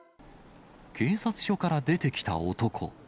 警察署から出てきた男。